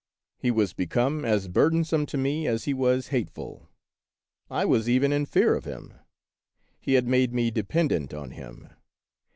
He was become as burdensome to me as he was hateful. I was even in fear of him. He had made me dependent on him.